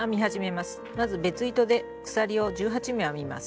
まず別糸で鎖を１８目編みます。